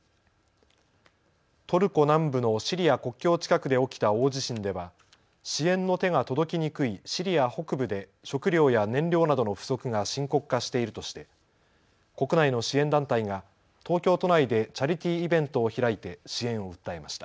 トルコ南部のシリア国境近くで起きた大地震では支援の手が届きにくいシリア北部で食料や燃料などの不足が深刻化しているとして国内の支援団体が東京都内でチャリティーイベントを開いて支援を訴えました。